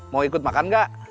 mau ikut makan gak